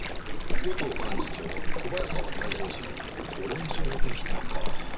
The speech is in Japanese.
与党幹事長小早川泰造氏のご令嬢でしたか。